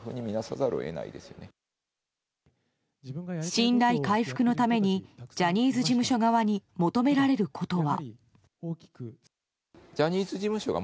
信頼回復のためにジャニーズ事務所側に求められることは。